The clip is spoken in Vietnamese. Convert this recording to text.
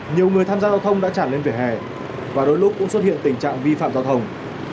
nhiều người tham gia giao thông đã tràn lên vỉa hè và đôi lúc cũng xuất hiện tình trạng vi phạm giao thông